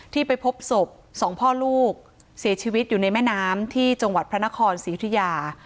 ไปพบศพสองพ่อลูกเสียชีวิตอยู่ในแม่น้ำที่จังหวัดพระนครศรียุธิยา